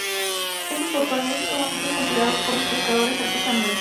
Estos botes son los empleados por los pescadores artesanales.